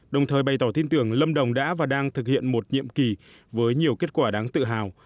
đồng thời bày tỏ tin tưởng lâm đồng đã và đang thực hiện một nhiệm kỳ với nhiều kết quả đáng tự hào